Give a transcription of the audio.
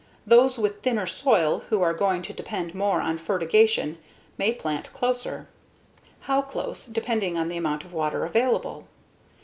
Those with thinner soil who are going to depend more on fertigation may plant closer, how close depending on the amount of water available.